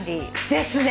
ですね。